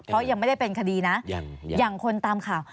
เพราะยังไม่ได้เป็นคดีนะอย่างคนตามข่าว